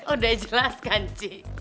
udah jelaskan ci